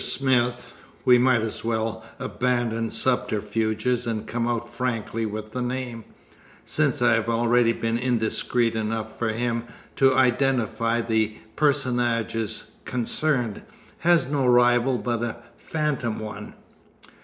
Smith (we might as well abandon subterfuges and come out frankly with the name, since I have already been indiscreet enough for him to identify the personages concerned) has no rival but a phantom one.